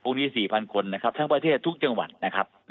นี้๔๐๐คนนะครับทั้งประเทศทุกจังหวัดนะครับ